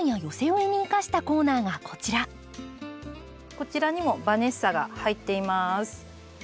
こちらにもバネッサが入っています。